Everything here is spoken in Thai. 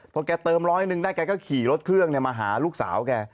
พอแกเติมร้อยหนึ่งได้แกก็ขี่รถเครื่องมาหาลูกสาวแก